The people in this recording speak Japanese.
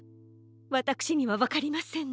わたくしにはわかりませんの。